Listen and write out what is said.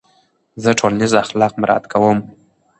زه ټولنیز اخلاق مراعت کوم.